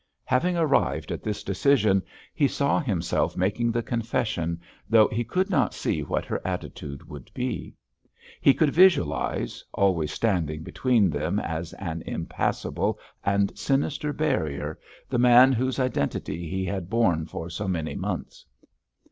Having arrived at this decision, he saw himself making the confession, though he could not see what her attitude would be. He could visualise, always standing between them as an impassable and sinister barrier, the man whose identity he had borne for so many months.